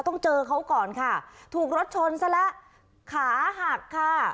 ต้องเจอเขาก่อนค่ะถูกรถชนซะแล้วขาหักค่ะ